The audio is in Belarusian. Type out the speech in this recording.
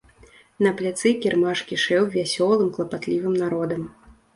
На пляцы кірмаш кішэў вясёлым, клапатлівым народам.